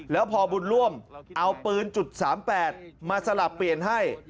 แล้วพอบุญร่วมเอาปืน๓๘มาสลับเปลี่ยนให้